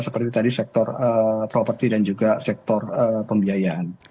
seperti tadi sektor properti dan juga sektor pembiayaan